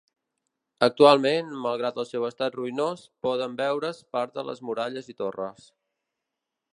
Actualment, malgrat el seu estat ruïnós, poden veure's part de les muralles i torres.